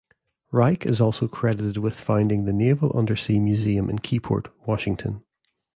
Reich is also credited with founding the Naval Undersea Museum in Keyport, Washington.